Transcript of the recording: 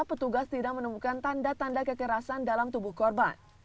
petugas tidak menemukan tanda tanda kekerasan dalam tubuh korban